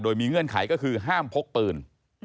โดยมีเงื่อนไขก็คือห้ามพกปืน